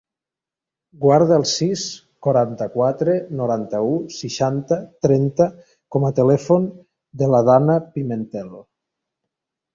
Guarda el sis, quaranta-quatre, noranta-u, seixanta, trenta com a telèfon de la Danna Pimentel.